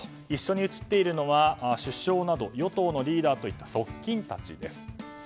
一緒に映っているのは首相など与党のリーダーといった側近たちです。